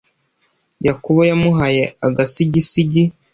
Yakobo yamuhaye agasigisigi,